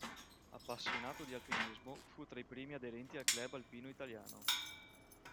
Appassionato di alpinismo, fu tra i primi aderenti al Club Alpino Italiano.